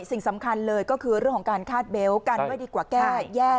สิ่งสำคัญเลยก็คือเรื่องของการคาดเบลต์กันไว้ดีกว่าแก้แย่